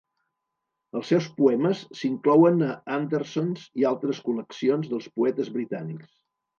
Els seus poemes s'inclouen a Anderson's i altres col·leccions dels poetes britànics.